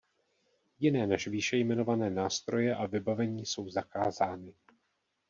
Jiné než výše jmenované nástroje a vybavení jsou zakázány.